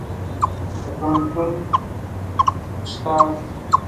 د پوهنتون استاد